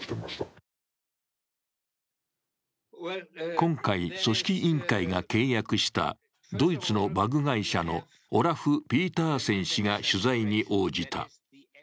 今回、組織委員会が契約したドイツの馬具会社のオラフ・ピーターセン氏が取材に応じた。